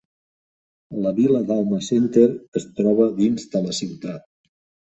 La vila d'Alma Center es troba dins de la ciutat.